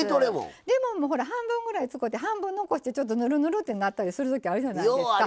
レモンも半分ぐらい使て半分残してぬるぬるってなったりすることあるじゃないですか。